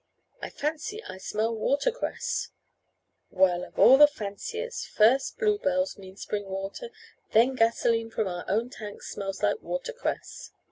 "I fancy I smell watercress " "Well, of all the fanciers, first bluebells mean spring water, then gasoline from our own tank smells like watercress.